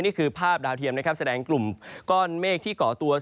นี่คือภาพดาวเทียมแสดงกลุ่มก้อนเมฆที่เกาะตัว